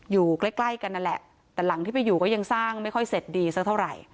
อยู่ใกล้ใกล้กันนั่นแหละแต่หลังที่ไปอยู่ก็ยังสร้างไม่ค่อยเสร็จดีสักเท่าไหร่